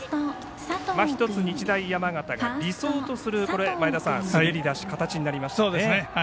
一つ、日大山形が理想とする滑り出しの形になりましたね。